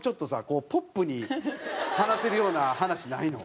こうポップに話せるような話ないの？